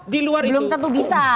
di luar belum tentu bisa